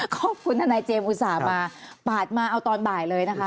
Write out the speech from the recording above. ขอบคุณทนายเจมช์อุตส่าห์มามาตอนบ่ายเลยนะคะ